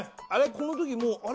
この時もうあれ？